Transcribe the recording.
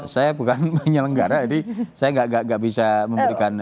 saya bukan menyelenggara jadi saya nggak bisa memberikan